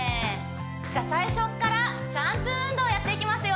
じゃあ最初っからシャンプー運動やっていきますよ